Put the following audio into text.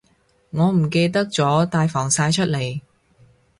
我唔記得咗帶防曬出嚟